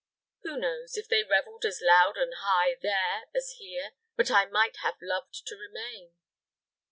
Who knows, if they reveled as loud and high there as here, but I might have loved to remain."